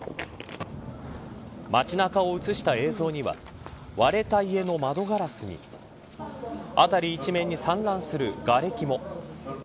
街中を映した映像には割れた家の窓ガラスに辺り一面に散乱するがれきも。